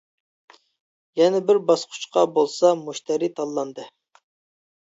يەنە بىر باسقۇچقا بولسا مۇشتەرى تاللاندى.